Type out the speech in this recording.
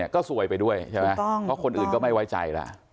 ก็ซวยไปด้วยใช่ไหมเพราะคนอื่นก็ไม่ไว้ใจแล้ว